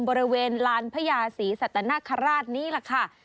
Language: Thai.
บริเวณลานพญาศรีสัตนคราชนี่แหละค่ะ